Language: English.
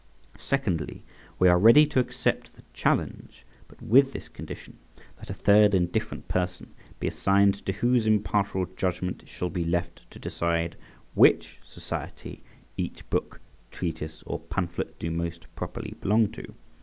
Secondly, we are ready to accept the challenge, but with this condition, that a third indifferent person be assigned, to whose impartial judgment it shall be left to decide which society each book, treatise, or pamphlet do most properly belong to.